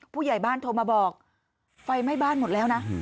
ผู้ใหญ่บ้านโทรมาบอกไฟไหม้บ้านหมดแล้วนะ